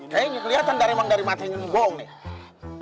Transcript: kayaknya keliatan dari mata yang bohong nih